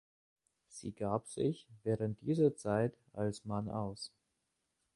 Sie gab sich während dieser Zeit als Mann aus.